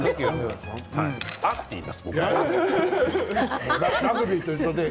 あって言います僕。